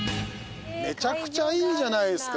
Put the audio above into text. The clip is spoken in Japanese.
めちゃくちゃいいじゃないですか。